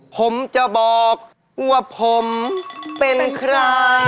ผมจะบอกว่าผมเป็นใคร